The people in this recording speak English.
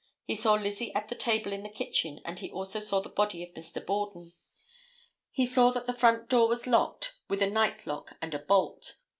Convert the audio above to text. He saw Lizzie at the table in the kitchen and he also saw the body of Mr. Borden. He saw that the front door was locked with a night lock and a bolt.